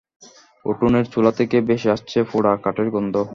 উঠোনের চুলা থেকে ভেসে আসছে পোড়া কাঠের গন্ধ।